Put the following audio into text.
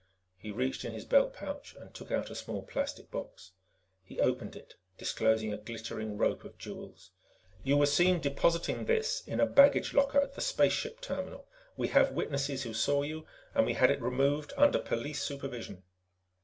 He reached in his belt pouch and took out a small plastic box. He opened it, disclosing a glittering rope of jewels. "You were seen depositing this in a baggage locker at the spaceship terminal. We have witnesses who saw you, and we had it removed under police supervision."